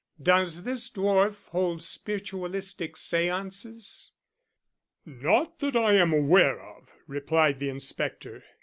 "Does this dwarf hold spiritualistic séances?" "Not that I am aware of," replied the inspector.